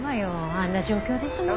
あんな状況ですもの。